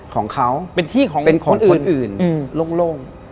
ของเขาเป็นที่ของคนอื่นเป็นของคนอื่นโล่ง